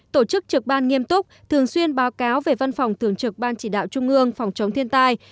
tổ chức trực ban nghiêm túc thường xuyên báo cáo về văn phòng thường trực ban chỉ đạo trung ương phòng chống thiên tai